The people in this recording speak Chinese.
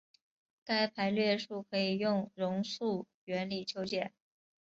该排列数可以用容斥原理求解。